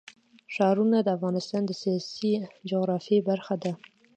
ښارونه د افغانستان د سیاسي جغرافیه برخه ده.